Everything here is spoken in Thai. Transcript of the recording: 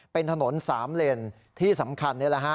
เป็นถนนสามเลนที่สำคัญนี่แหละฮะ